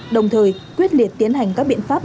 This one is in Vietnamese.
đồng thời quyết liệt tiến hành các biện pháp